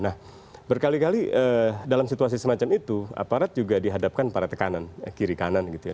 nah berkali kali dalam situasi semacam itu aparat juga dihadapkan pada tekanan kiri kanan gitu ya